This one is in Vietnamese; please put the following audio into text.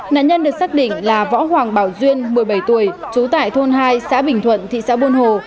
nạn nhân được xác định là võ hoàng bảo duyên một mươi bảy tuổi trú tại thôn hai xã bình thuận thị xã buôn hồ